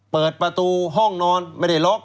เปิดประตูห้องนอนไม่ได้ล็อก